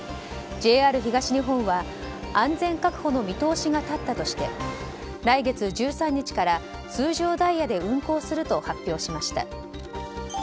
ＪＲ東日本は安全確保の見通しが立ったとして来月１３日から通常ダイヤで運行すると発表しました。